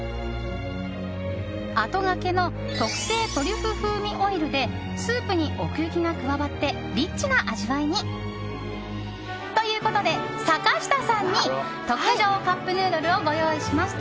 あとがけの特製トリュフ風味オイルでスープに奥行きが加わってリッチな味わいに。ということで、坂下さんに特上カップヌードルをご用意しました。